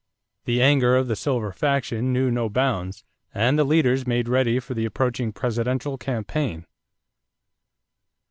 The anger of the silver faction knew no bounds, and the leaders made ready for the approaching presidential campaign.